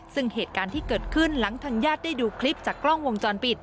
ซึ่งเหตุการณ์ที่เกิดขึ้นหลังทางญาติได้ดูคลิปจากกล้องวงจรปิด